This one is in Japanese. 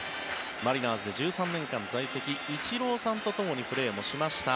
マリナーズに１３年間在籍イチローさんとともにプレーもしました。